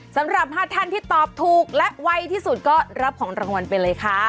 สำหรับ๕ท่านที่ตอบถูกและไวที่สุดก็รับของรางวัลไปเลยค่ะ